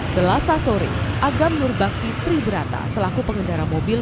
selasa sore agam nur bakitri berata selaku pengendara mobil